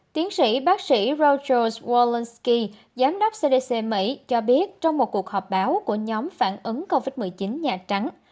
tiến sĩ bác sĩ rouchers worlsky giám đốc cdc mỹ cho biết trong một cuộc họp báo của nhóm phản ứng covid một mươi chín nhà trắng